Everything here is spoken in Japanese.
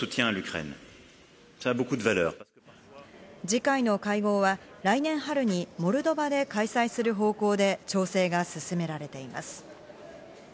次回の会合は来年春にモルドバで開催する方向で調整が進められています。